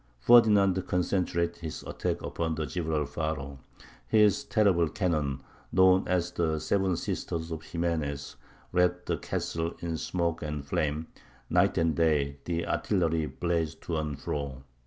Ferdinand concentrated his attack upon the Gibralfaro; his terrible cannon, known as the "Seven Sisters of Ximenes," wrapped the castle in smoke and flame; night and day the artillery blazed to and fro.